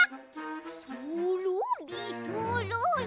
そろりそろり。